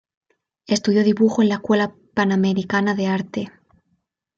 Estudió dibujo en la Escuela Panamericana de Arte.